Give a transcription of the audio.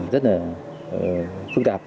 rất là phương tạp